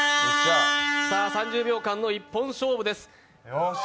３０秒間の一本勝負です。